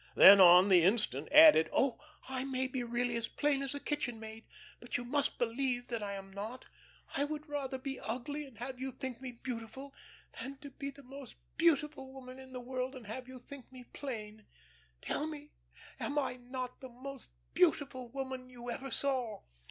Then on the instant added: "Oh, I may be really as plain as a kitchen maid, but you must believe that I am not. I would rather be ugly and have you think me beautiful, than to be the most beautiful woman in the world and have you think me plain. Tell me am I not the most beautiful woman you ever saw?"